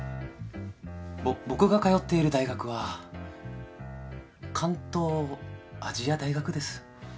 ぼ僕が通っている大学は関東アジア大学です。